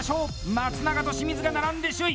松永と清水が並んで首位！